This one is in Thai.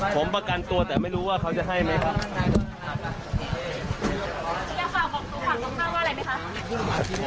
ผมประกันตัวแต่ไม่รู้ว่าเขาจะให้ไหมครับ